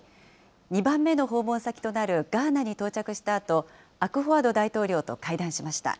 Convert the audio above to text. ２番目の訪問先となるガーナに到着したあと、アクフォアド大統領と会談しました。